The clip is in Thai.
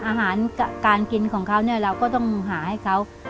อาหารการกินของเขาเนี่ยเราก็ต้องหาให้เขา